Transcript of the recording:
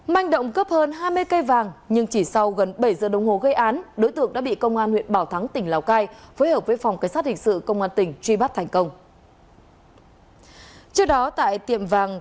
manh động cướp hơn hai mươi cây vàng nhưng chỉ sau gần bảy giờ đồng hồ gây án đối tượng đã bị công an huyện bảo thắng tỉnh lào cai phối hợp với phòng cảnh sát hình sự công an tỉnh truy bắt thành công